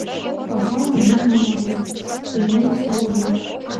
Пашалан вуйым она пу, сеҥенак толына.